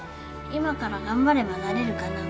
今から頑張ればなれるかな？